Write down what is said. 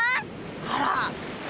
あら。